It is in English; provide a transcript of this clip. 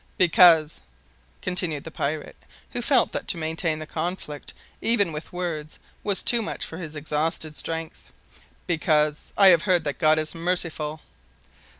"Because," continued the pirate, who felt that to maintain the conflict even with words was too much for his exhausted strength, "because I have heard that God is merciful."